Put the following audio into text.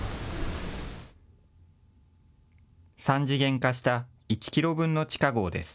３次元化した１キロ分の地下ごうです。